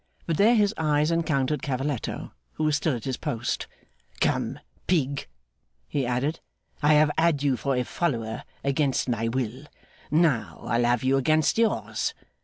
But, there his eyes encountered Cavalletto, who was still at his post. 'Come, Pig,' he added, 'I have had you for a follower against my will; now, I'll have you against yours.